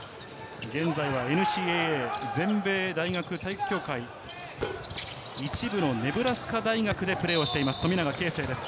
現在、ＮＣＡＡ＝全米大学体育協会１部のネブラスカ大学でプレーしています、富永啓生。